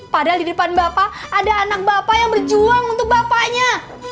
padahal di depan bapak ada anak bapak yang berjuang untuk bapaknya